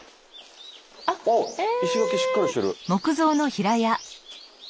あ石垣しっかりしてる。